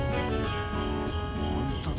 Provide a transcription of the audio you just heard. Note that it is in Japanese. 本当だ。